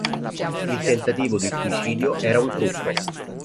Il tentativo di suicidio era un trucco.